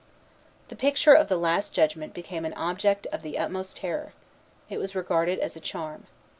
The picture of the Last Judgment became an object of the utmost terror. It was regarded as a charm.